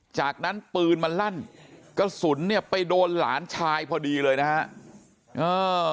จากนั้นปืนมันลั่นกระสุนเนี่ยไปโดนหลานชายพอดีเลยนะฮะ